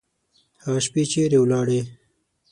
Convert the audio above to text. هغه شپې چیري ولاړې؟